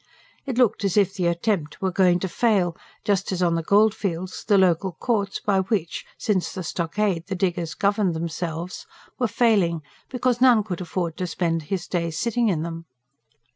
It looked as if the attempt were going to fail, just as on the goldfields the Local Courts, by which since the Stockade the diggers governed themselves, were failing, because none could afford to spend his days sitting in them.